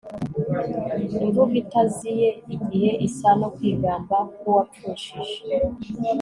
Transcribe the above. imvugo itaziye igihe isa no kwigamba k'uwapfushije